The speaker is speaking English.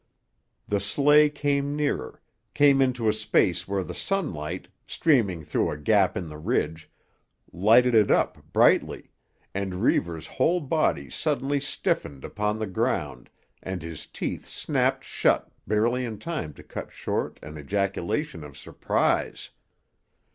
The sleigh came nearer, came into a space where the sunlight, streaming through a gap in the ridge, lighted it up brightly, and Reivers' whole body suddenly stiffened upon the ground and his teeth snapped shut barely in time to cut short an ejaculation of surprise.